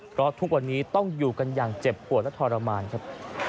เพราะทุกวันนี้ต้องอยู่กันอย่างเจ็บปวดและทรมานครับ